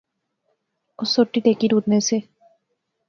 اوہ سوٹی ٹیکی ٹُرنے سے